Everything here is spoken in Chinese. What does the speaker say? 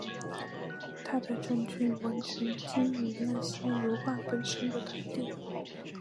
他的证据完全基于那些油画本身的特点。